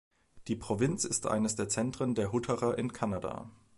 Die Provinz ist eines der Zentren der Hutterer in Kanada.